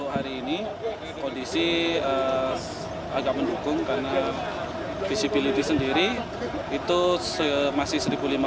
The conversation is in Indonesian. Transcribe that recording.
hari ini kondisi agak mendukung karena visibility sendiri itu masih satu lima ratus